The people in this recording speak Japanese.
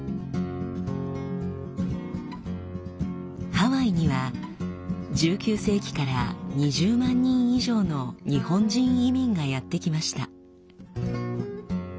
ハワイには１９世紀から２０万人以上の日本人移民がやって来ました。